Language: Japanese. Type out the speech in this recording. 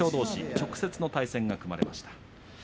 直接の対戦が組まれました。